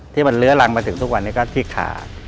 ที่มันเลื้อรังมาถึงทุกวันนี้ก็ที่ขา